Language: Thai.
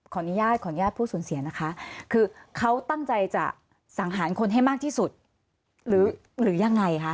ขออนุญาตขออนุญาตผู้สูญเสียนะคะคือเขาตั้งใจจะสังหารคนให้มากที่สุดหรือยังไงคะ